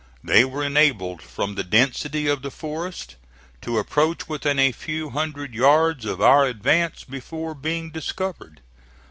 They were enabled, from the density of the forest, to approach within a few hundred yards of our advance before being discovered.